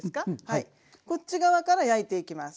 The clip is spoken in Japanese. こっち側から焼いていきます。